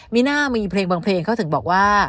มีน่ามีเพลงบางเพลงเขาถึงบอกว่า